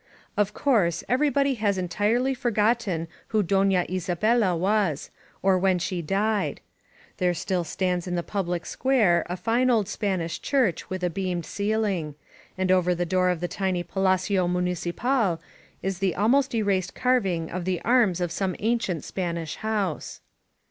Of course, everybody has entirely forgotten who Dona Isabella was, or when she died. There still stands in the public square a fine old Spanish church with a beamed ceiling. And over the door of the tiny Palacio Municipal is the almost erased carving of the arms of some ancient Spanish house.